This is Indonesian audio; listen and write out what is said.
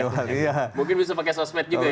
mungkin bisa pakai sosmed juga ya